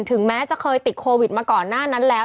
ถึงแม้จะเคยติดโควิดมาก่อนหน้านั้นแล้ว